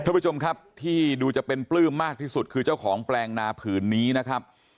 ท่านผู้ชมครับที่ดูจะเป็นปลื้มมากที่สุดคือเจ้าของแปลงนาผืนนี้นะครับ